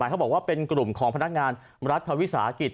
เขาบอกว่าเป็นกลุ่มของพนักงานรัฐวิสาหกิจ